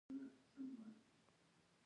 د الوبالو ونې کله حاصل ورکوي؟